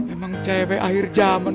emang cewek akhir zaman